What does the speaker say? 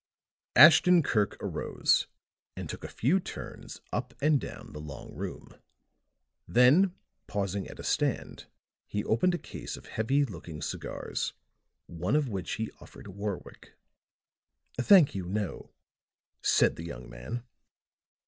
Ashton Kirk arose and took a few turns up and down the long room; then pausing at a stand he opened a case of heavy looking cigars, one of which he offered Warwick. "Thank you, no," said the young man.